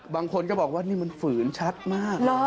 บางคนก็บอกว่านี่มันฝืนชัดมาก